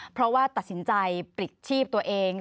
เพราะว่าตัดสินใจปลิดชีพตัวเอง